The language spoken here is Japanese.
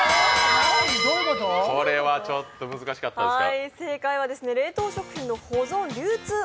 これはちょっと難しかったですか？